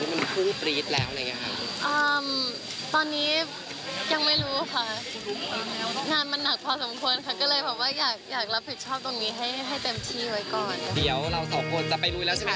เป็นคนที่หลักเพื่อนหลักคนในครอบครัว